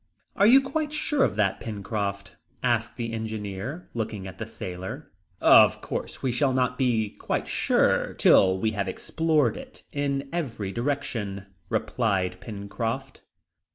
"Are you quite sure of that, Pencroft?" asked the engineer, looking at the sailor. "Of course we shall not be quite sure, till we have explored it in every direction," replied Pencroft.